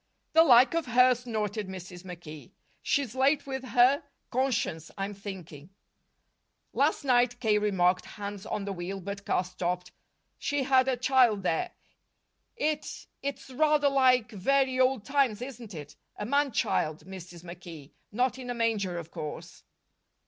"The like of her!" snorted Mrs. McKee. "She's late with her conscience, I'm thinking." "Last night," K. remarked, hands on the wheel, but car stopped, "she had a child there. It it's rather like very old times, isn't it? A man child, Mrs. McKee, not in a manger, of course."